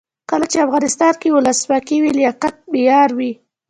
کله چې افغانستان کې ولسواکي وي لیاقت معیار وي.